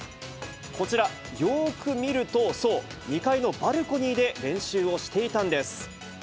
こちら、よーく見ると、そう、２階のバルコニーで練習をしていたんです。